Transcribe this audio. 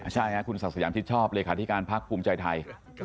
ใช่ค่ะคุณศักดิ์สยามชิดชอบเลขาธิการพักภูมิใจไทย